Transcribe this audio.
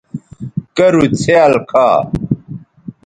کرُو څھیال کھا